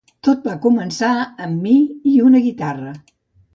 Tot va començar amb mi i una guitarra.